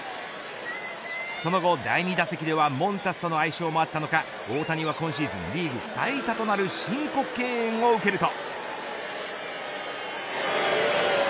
その後、第２打席ではモンタスとの相性もあったのか大谷は今シーズンリーグ最多となる申告敬遠を受けると。